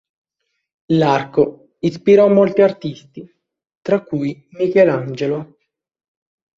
L'arco ispirò molti artisti, tra cui Michelangelo.